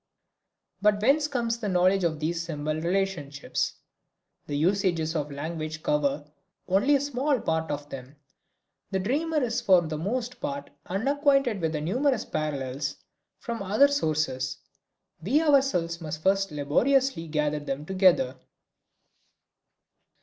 But whence comes the knowledge of these symbol relationships? The usages of language cover only a small part of them. The dreamer is for the most part unacquainted with the numerous parallels from other sources; we ourselves must first laboriously gather them together.